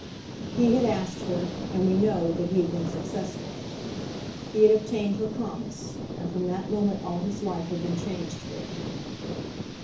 He had asked her, and we know that he had been successful. He had obtained her promise, and from that moment all his life had been changed for him.